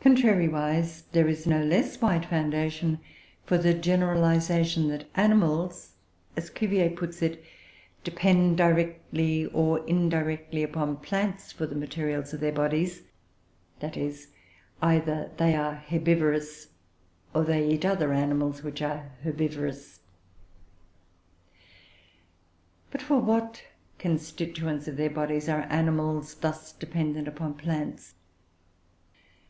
Contrariwise, there is a no less wide foundation for the generalisation that animals, as Cuvier puts it, depend directly or indirectly upon plants for the materials of their bodies; that is, either they are herbivorous, or they eat other animals which are herbivorous. But for what constituents of their bodies are animals thus dependent upon plants?